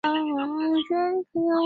土岐赖元是土岐赖艺的四男。